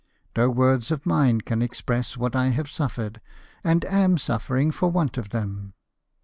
No words of mine can express what 1 have sufiered, and am suffering, for Avant of them."